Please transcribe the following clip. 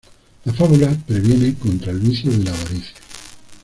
La fábula previene contra el vicio de la avaricia.